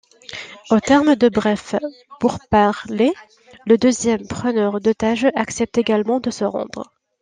Au terme de brefs pourparlers, le deuxième preneur d'otages accepte également de se rendre.